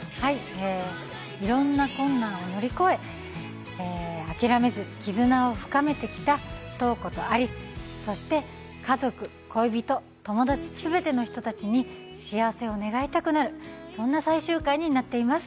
いろんな困難を乗り越え、諦めず絆を深めてきた瞳子と有栖そして家族、恋人、友達全ての人たちに幸せを願いたくなるそんな最終回になっています。